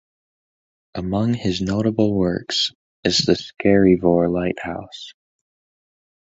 Among his notable works is the Skerryvore Lighthouse.